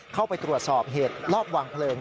เข้าไปตรวจสอบเหตุรอบวางเพลิง